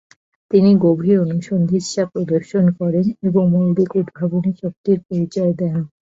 তিনি গভীর অনুসন্ধিৎসা প্রদর্শন করেন এবং মৌলিক উদ্ভাবনী শক্তির পরিচয় দেন।